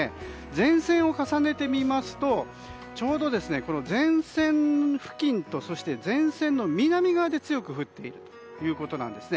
前線を重ねてみますとちょうど前線付近とそして前線の南側で強く降っているということなんです。